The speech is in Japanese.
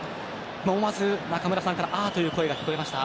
思わず中村さんからああという声が聞こえました。